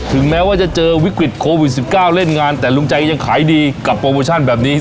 แม้ว่าจะเจอวิกฤตโควิด๑๙เล่นงานแต่ลุงใจยังขายดีกับโปรโมชั่นแบบนี้